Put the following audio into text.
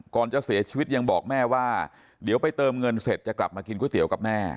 ก่อนจะเสียชีวิตยังบอกแม่ว่าเดี๋ยวไปเติมเงินเสร็จจะกลับมากินก๋วยเตี๋ยวกับแม่